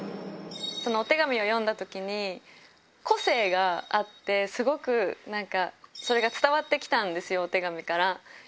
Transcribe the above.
そのお手紙を読んだときに、個性があって、すごくなんか、それが伝わってきたんですよ、お手紙から。